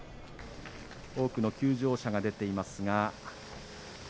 多くの休場者が出ています。